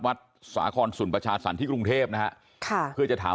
วัดสาคอนสุนประชาสรรค์ที่กรุงเทพนะฮะค่ะเพื่อจะถาม